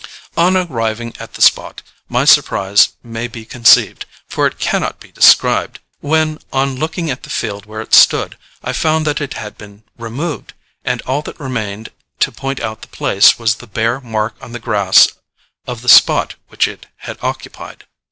On arriving at the spot, my surprise may be conceived, for it cannot be described, when, on looking at the field where it stood, I found that it had been removed, and all that remained to point out the place, was the bare mark on the grass of the spot which it had occupied.